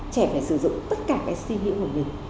trẻ phải sử dụng tất cả cái suy nghĩ của mình